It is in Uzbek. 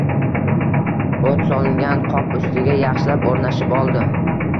O`t solingan qop ustiga yaxshilab o`rnashib oldim